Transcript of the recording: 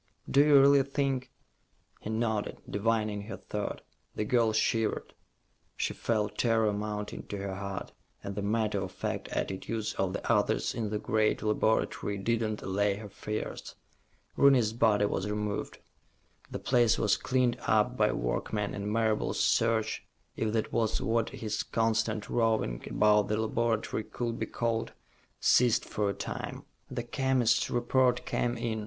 "Do you really think ...?" He nodded, divining her thought. The girl shivered. She felt terror mounting to her heart, and the matter of fact attitudes of the others in the great laboratory did not allay her fears. Rooney's body was removed. The place was cleaned up by workmen, and Marable's search if that was what his constant roving about the laboratory could be called ceased for a time. The chemist's report came in.